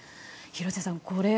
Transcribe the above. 廣瀬さん